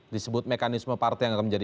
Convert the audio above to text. disebut mekanisme partai yang akan menjadi